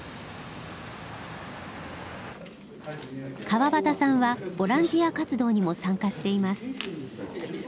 川端さんはボランティア活動にも参加しています。